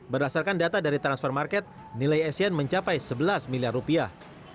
berdasarkan data dari transfer market nilai essien mencapai sebelas miliar rupiah